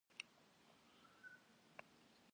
Ade lh'eujınşşere lınşşe khupşhere.